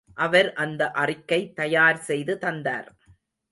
அவர் அந்த அறிக்கை தயார் செய்து தந்தார்.